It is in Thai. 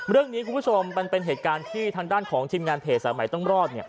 คุณผู้ชมมันเป็นเหตุการณ์ที่ทางด้านของทีมงานเพจสายใหม่ต้องรอด